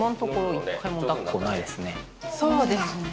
そうですね。